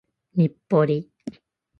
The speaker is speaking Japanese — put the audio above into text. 日暮里